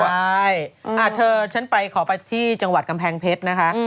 ใช่เธอฉันไปขอไปที่จังหวัดกำแพงเพชรนะคะ